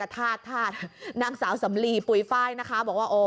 ธาตุนางสาวสำลีปลูยฝ่ายนะคะ